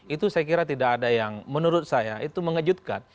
itu saya kira tidak ada yang menurut saya itu mengejutkan